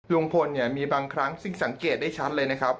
ลุงพลเนี่ยมีบางครั้งซึ่งสังเกตได้ชัดเลยนะครับ